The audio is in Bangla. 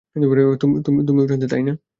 তুমিও জানতে, তাই না?